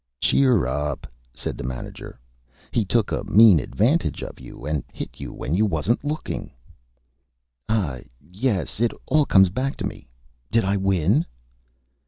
"Cheer up!" said the Manager. "He took a Mean Advantage of you and Hit you when you wasn't Looking." "Ah, yes, it all comes back to me. Did I win?"